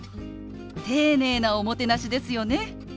丁寧なおもてなしですよね。